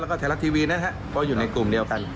แล้วก็ไทยรัฐทีวีนะครับเพราะอยู่ในกลุ่มเดียวกัน